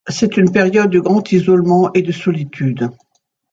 C'est une période de grand isolement et de solitude.